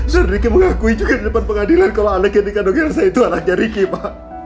dan ricky menganggung juga di depan pengadilan kalau alec yang dikandung elsa itu anaknya ricky ma